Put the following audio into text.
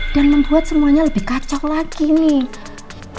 dan membuat semuanya lebih kacau lagi nih